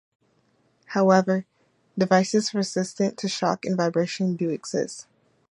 However, devices resistant to shock and vibration do exist.